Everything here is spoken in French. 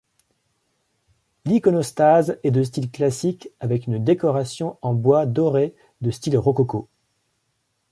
L'iconostase est de style classique avec une décoration en bois doré de style rococo.